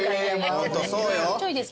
ホントそうよ。